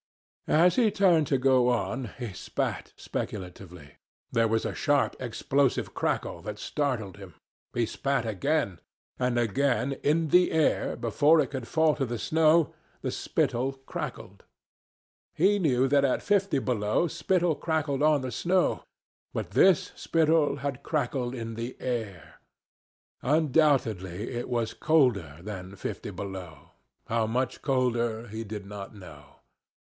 As he turned to go on, he spat speculatively. There was a sharp, explosive crackle that startled him. He spat again. And again, in the air, before it could fall to the snow, the spittle crackled. He knew that at fifty below spittle crackled on the snow, but this spittle had crackled in the air. Undoubtedly it was colder than fifty below—how much colder he did not know.